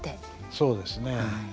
そうですね。